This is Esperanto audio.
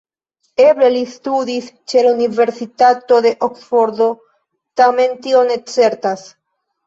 Eble li studis ĉe la Universitato de Oksfordo, tamen tio ne certas.